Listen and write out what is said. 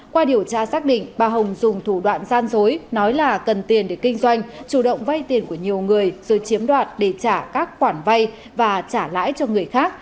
qua điều tra xác định bà hồng dùng thủ đoạn gian dối nói là cần tiền để kinh doanh chủ động vay tiền của nhiều người rồi chiếm đoạt để trả các khoản vay và trả lãi cho người khác